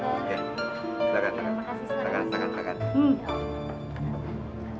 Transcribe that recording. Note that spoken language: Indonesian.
terima kasih terima kasih